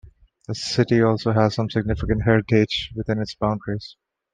The City also has some significant heritage within its boundaries.